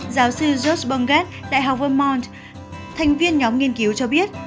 giáo sư george bungat đại học vermont thành viên nhóm nghiên cứu cho biết